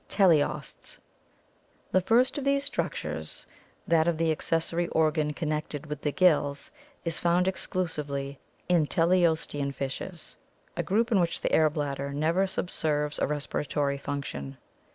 Teleosts. — The first of these structures, that of the accessory organ connected with the gills, is found exclusively in teleostean fishes, a group in which the air bladder never subserves a respira tory function.